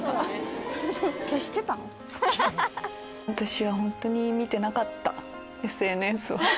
私は本当に見てなかったＳＮＳを。